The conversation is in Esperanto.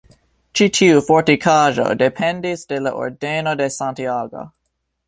Ĉi tiu fortikaĵo dependis de la Ordeno de Santiago.